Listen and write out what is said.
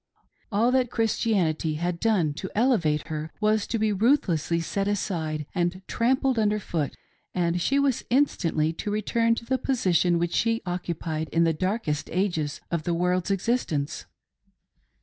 All that Christianity had done to elevate her was to be ruthlessly set aside and trampled under foot, and she was instantly to return to the position which she occupied in the darkest ages of the world's existence.